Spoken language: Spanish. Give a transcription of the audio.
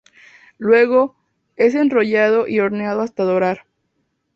Luego, es enrollado y horneado hasta dorar.